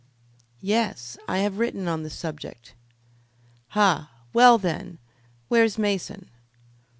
"Yes, I have written on the subject." "Ha! Well, then, where's Mason?"